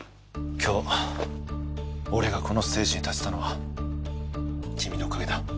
今日俺がこのステージに立てたのは君のおかげだ。